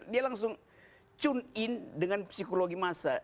dia langsung tune in dengan psikologi masa